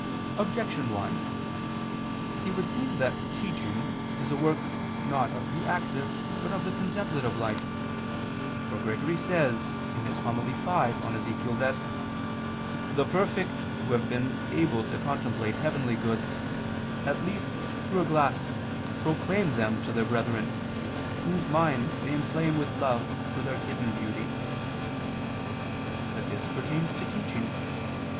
Objection 1: It would seem that teaching is a work not of the active but of the contemplative life. For Gregory says (Hom. v in Ezech.) that "the perfect who have been able to contemplate heavenly goods, at least through a glass, proclaim them to their brethren, whose minds they inflame with love for their hidden beauty." But this pertains to teaching.